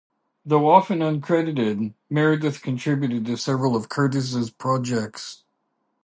Though often uncredited, Meredyth contributed to several of Curtiz's projects.